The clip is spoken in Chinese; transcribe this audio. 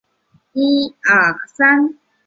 之后又恢复官职。